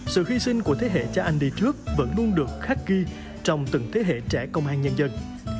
sự hy sinh của thế hệ cha anh đi trước vẫn luôn được khắc ghi trong từng thế hệ trẻ công an nhân dân